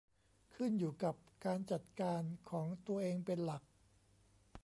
ขึ้นอยู่กับการจัดการของตัวเองเป็นหลัก